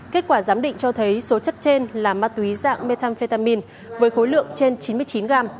kết quả giám định cho thấy số chất trên là ma túy dạng methamphetamin với khối lượng trên chín mươi chín gram